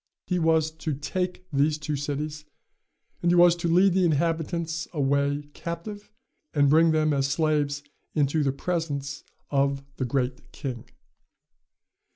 He was to take these two cities, and he was to lead the inhabitants away captive, and bring them as slaves into the presence of the Great King.